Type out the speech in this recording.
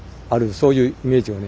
そういうイメージをね